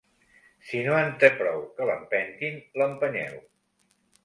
Si no en té prou que l'empentin l'empènyeu.